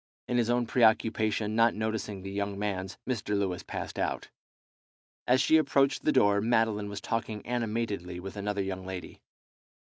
In his own preoccupation not noticing the young man's, Mr. Lewis passed out. As she approached the door Madeline was talking animatedly with another young lady.